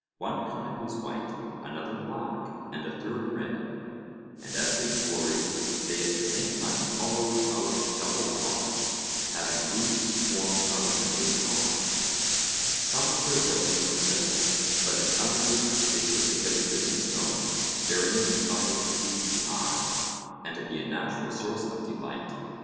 One kind was white, another black, and a third red, and as they quarried, they at the same time hollowed out double docks, having roofs formed out of the native rock. Some of their buildings were simple, but in others they put together different stones, varying the colour to please the eye, and to be a natural source of delight.